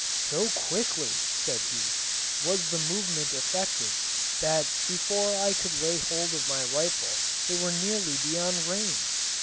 "So quickly," said he, "was the movement effected, that before I could lay hold of my rifle they were nearly beyond range.